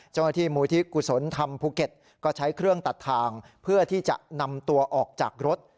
มูลที่กุศลธรรมภูเก็ตก็ใช้เครื่องตัดทางเพื่อที่จะนำตัวออกจากรถ